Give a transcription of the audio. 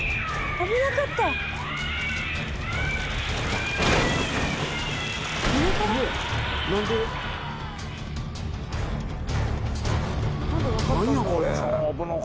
危なかったな。